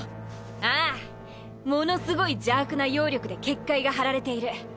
ああもの凄い邪悪な妖力で結界が張られている。